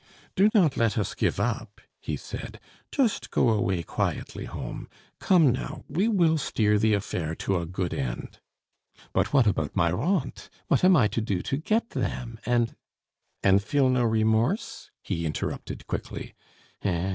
"Do not let us give up," he said; "just go away quietly home. Come, now, we will steer the affair to a good end." "But what about my rentes, what am I to do to get them, and " "And feel no remorse?" he interrupted quickly. "Eh!